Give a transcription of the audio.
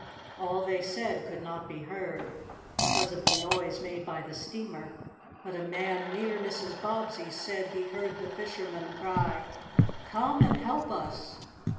All they said could not be heard, because of the noise made by the steamer, but a man near Mrs. Bobbsey said he heard the fisherman cry: "Come and help us!"